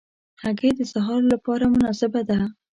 هګۍ د سهار له پاره مناسبه ده.